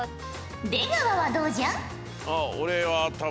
出川はどうじゃ？